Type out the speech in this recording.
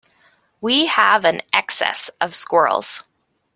We have an excess of squirrels.